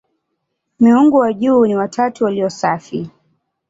Miungu wa juu ni "watatu walio safi".